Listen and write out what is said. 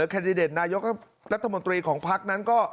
แคนดิเดตนายกรัฐมนตรีของพักนั้นก็